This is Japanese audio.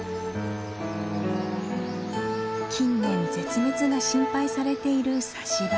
近年絶滅が心配されているサシバ。